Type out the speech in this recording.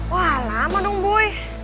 wah lama dong boy